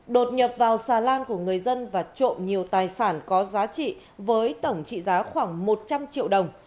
đột nhập vào xà lan của người dân và trộm nhiều tài sản có giá trị với tổng trị giá khoảng một trăm linh triệu đồng